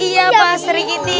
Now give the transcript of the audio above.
iya pak sikiti